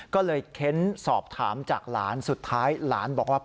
ก็เลยเค้นสอบถามจากหลานสุดท้ายหลานบอกว่า